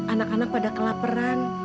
anak anak pada kelaperan